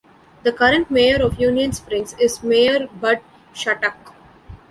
The current mayor of Union Springs is Mayor Bud Shattuck.